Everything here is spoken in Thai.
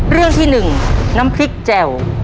เรื่องที่๑น้ำพริกแจ่ว